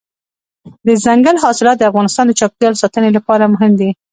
دځنګل حاصلات د افغانستان د چاپیریال ساتنې لپاره مهم دي.